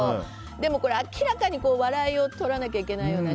でも、明らかに笑いをとらなきゃいけないような